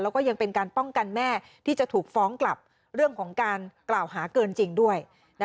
แล้วก็ยังเป็นการป้องกันแม่ที่จะถูกฟ้องกลับเรื่องของการกล่าวหาเกินจริงด้วย